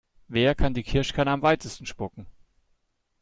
Wer kann die Kirschkerne am weitesten spucken?